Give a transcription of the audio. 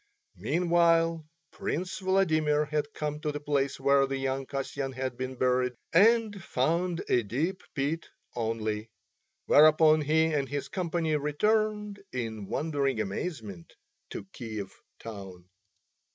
Meanwhile Prince Vladimir had come to the place where young Kasyan had been buried and found a deep pit only, whereupon he and his company returned in wondering amazement to Kiev town.